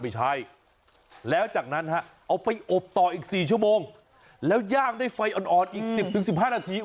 ไม่ใช่แล้วจากนั้นฮะเอาไปอบต่ออีก๔ชั่วโมงแล้วย่างด้วยไฟอ่อนอีก๑๐๑๕นาที